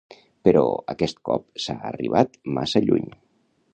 Però aquest cop s’ha arribat massa lluny.